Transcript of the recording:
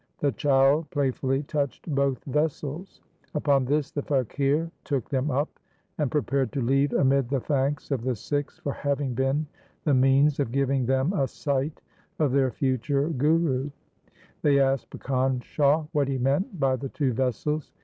The child play fully touched both vessels. Upon this the f aqir took them up, and prepared to leave amid the thanks of the Sikhs for having been the means of giving them a sight of their future Guru. They asked Bhikan Shah what he meant by the two vessels.